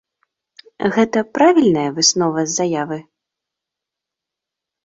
Гэта правільная выснова з заявы?